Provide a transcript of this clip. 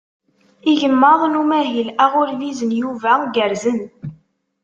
Igmaḍ n umahil aɣurbiz n Yuba gerrzen.